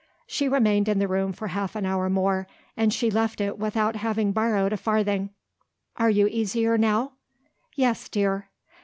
She remained in the room for half an hour more and she left it without having borrowed a farthing. "Are you easier now?" "Yes, dear."